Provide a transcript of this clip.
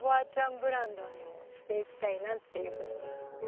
ブランドにもしていきたいなっていうふうに。